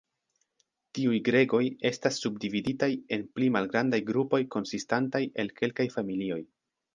Tiuj gregoj estas subdividitaj en pli malgrandaj grupoj konsistantaj el kelkaj familioj.